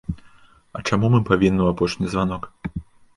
А чаму мы павінны ў апошні званок?